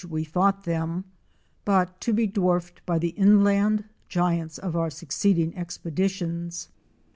137 we thought them, but to be dwarfed by the inland giants of our succeeding expeditions.